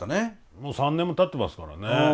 もう３年もたってますからね。